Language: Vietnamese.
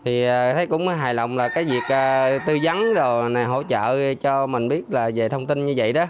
thì thấy cũng hài lòng là cái việc tư dắn rồi này hỗ trợ cho mình biết là về thông tin như vậy đó